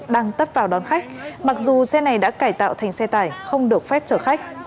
đang tấp vào đón khách mặc dù xe này đã cải tạo thành xe tải không được phép chở khách